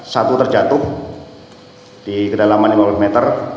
satu terjatuh di kedalaman lima puluh meter